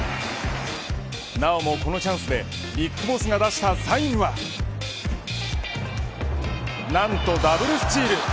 なおもこのチャンスでＢＩＧＢＯＳＳが出したサインはなんとダブルスチール。